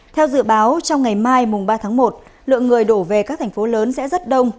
theo dự báo trong ngày mai mùng ba tháng một lượng người đổ về các thành phố lớn sẽ rất đông